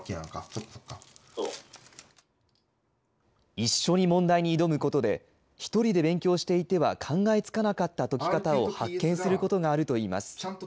一緒に問題に挑むことで、１人で勉強していては考えつかなかった解き方を発見することがあるといいます。